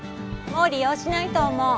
もう利用しないと思う。